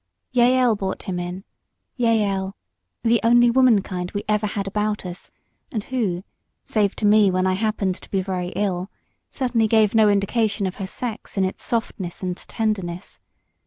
Jael brought him in; Jael, the only womankind we ever had about us, and who, save to me when I happened to be very ill, certainly gave no indication of her sex in its softness and tenderness.